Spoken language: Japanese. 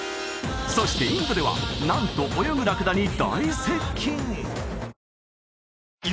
そしてインドではなんと泳ぐラクダに大接近！